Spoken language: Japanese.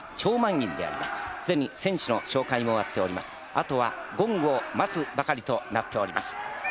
あとはゴングを待つばかりとなっております。